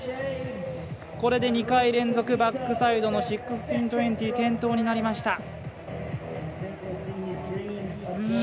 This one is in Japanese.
これで２回連続バックサイドの１６２０転倒になりました。